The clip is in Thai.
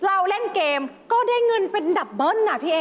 เราเล่นเกมก็ได้เงินเป็นดับเบิ้ลอ่ะพี่เอ